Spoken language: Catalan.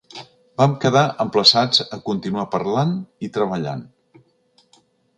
Vam quedar emplaçats a continuar parlant i treballant.